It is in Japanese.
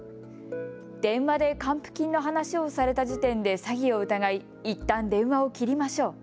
電話で還付金の話をされた時点で詐欺を疑い、いったん電話を切りましょう。